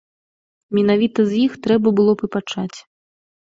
Менавіта з іх трэба было б і пачаць.